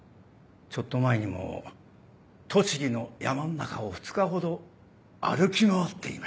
ちょっと前にも栃木の山の中を２日ほど歩き回っていましたし。